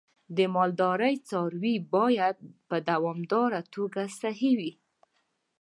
د مالدارۍ څاروی باید په دوامداره توګه صحي وي.